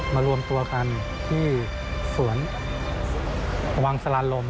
มารวมตัวกันที่สวนวังสลานลม